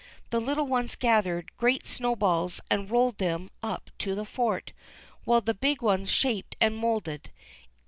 The little ones gathered great snowballs and rolled them up to the fort^ while the big ones shaped and moulded.